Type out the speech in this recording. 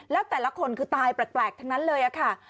แล้วแต่ละคนคือตายแปลกทั้งนั้นเลยค่ะ